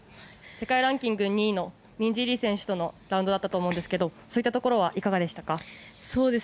世界ランキング２位のミンジー・リー選手とのラウンドだったと思うんですがそういったところはいかがでしたか。